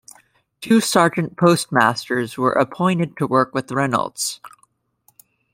Two Sergeant Postmasters were appointed to work with Reynolds.